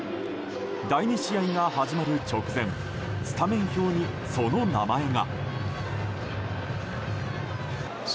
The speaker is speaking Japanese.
第２試合が始まる直前スタメン表にその名前が。